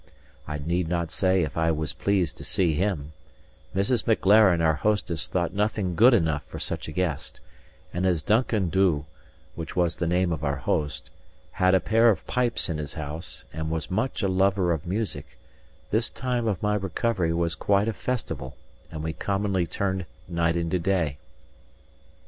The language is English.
I need not say if I was pleased to see him; Mrs. Maclaren, our hostess, thought nothing good enough for such a guest; and as Duncan Dhu (which was the name of our host) had a pair of pipes in his house, and was much of a lover of music, this time of my recovery was quite a festival, and we commonly turned night into day.